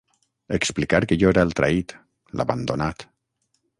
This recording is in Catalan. Explicar que jo era el traït, l'abandonat.